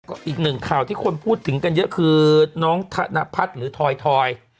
ก็อีกหนึ่งข่าวที่คนพูดถึงกันเยอะคือน้องธนพัฒน์หรือทอย